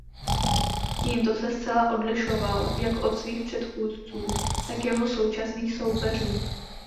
Tímto se zcela odlišoval jak od svých předchůdců tak jeho současných soupeřů.